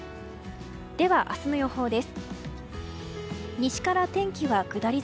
では、明日の予報です。